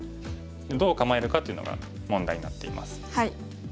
どう構えるかっていうのが問題になっています。